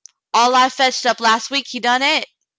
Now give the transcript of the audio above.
All I fetched up last week he done et."